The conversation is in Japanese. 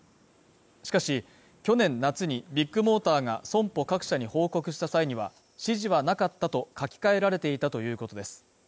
しかし去年夏にビッグモーターが損保各社に報告した際には指示はなかったと書き換えられていたということです